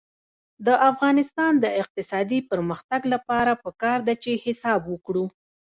د افغانستان د اقتصادي پرمختګ لپاره پکار ده چې حساب وکړو.